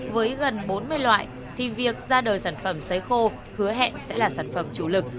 với gần bốn mươi loại thì việc ra đời sản phẩm xấy khô hứa hẹn sẽ là sản phẩm chủ lực